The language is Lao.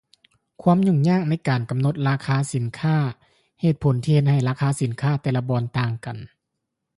ຄວາມຫຍຸ້ງຍາກໃນການກຳນົດລາຄາສິນຄ້າ ເຫດຜົນທີ່ເຮັດໃຫ້ລາຄາສິນຄ້າແຕ່ລະບ່ອນຕ່າງກັນ